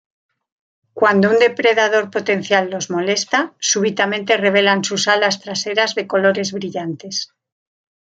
Cuando un depredador potencial los molesta, súbitamente revelan sus alas traseras de colores brillantes.